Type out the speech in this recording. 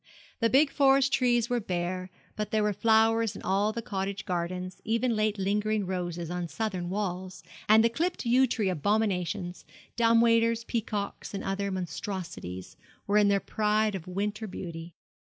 The big forest trees were bare, but there were flowers in all the cottage gardens, even late lingering roses on southern walls, and the clipped yew tree abominations dumb waiters, peacocks, and other monstrosities were in their pride of winter beauty.